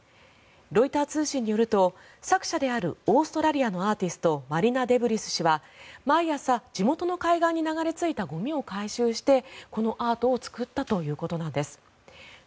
ロイター通信によると作者であるオーストラリアのアーティストマリナ・デブリス氏は毎朝、地元の海岸に流れ着いたゴミを回収してこのアートを作ったということなんです。